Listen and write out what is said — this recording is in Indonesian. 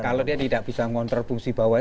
kalau dia tidak bisa mengontrol fungsi bawah itu